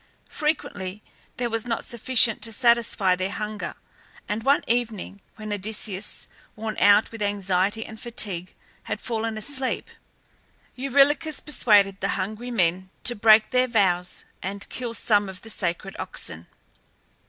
Frequently there was not sufficient to satisfy their hunger, and one evening when Odysseus, worn out with anxiety and fatigue, had fallen asleep, Eurylochus persuaded the hungry men to break their vows and kill some of the sacred oxen.